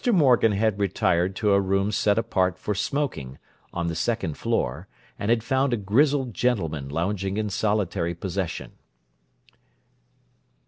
Morgan had retired to a room set apart for smoking, on the second floor, and had found a grizzled gentleman lounging in solitary possession.